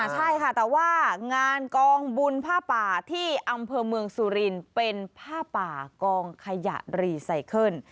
ใช่ค่ะแต่ว่างานกองบุญผ้าป่าที่อำเภอเมืองสุรินเป็นผ้าป่ากองขยะรีไซเคิล